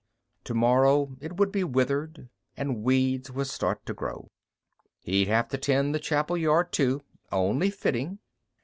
Tomorrow it would be withered, and weeds would start to grow. He'd have to tend the chapel yard, too. Only fitting.